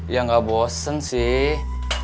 ya gak bosen sih